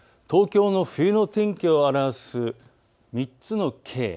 東京の冬の天気を表す３つのＫ。